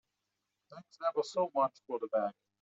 Thanks ever so much for the bag.